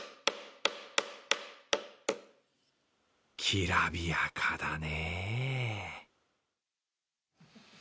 きらびやかだね。